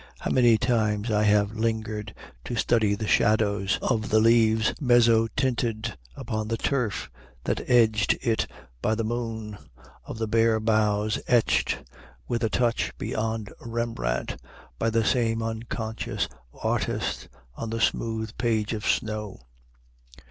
How many times I had lingered to study the shadows of the leaves mezzotinted upon the turf that edged it by the moon, of the bare boughs etched with a touch beyond Rembrandt by the same unconscious artist on the smooth page of snow!